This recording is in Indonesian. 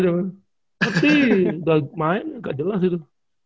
ngerti gak main gak jelas gitu